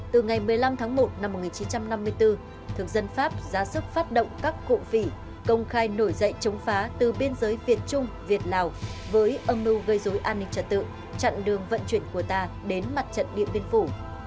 từ ngày một mươi năm tháng năm tn hai mươi năm đã đưa gián điệp biệt kích nhảy dù xuống mương ó thuận châu